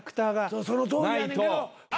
そのとおりやねんやけど。